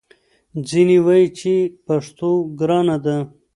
ځینې وايي چې پښتو ګرانه ده